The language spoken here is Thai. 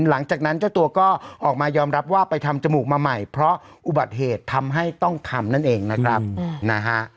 หลังจากนั้นเจ้าตัวก็ออกมายอมรับว่าไปทำจมูกมาใหม่เพราะอุบัติเหตุทำให้ต้องทำนั่นเองนะครับนะฮะ